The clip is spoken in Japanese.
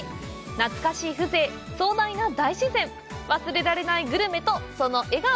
懐かしい風情、壮大な大自然、忘れられないグルメとその笑顔。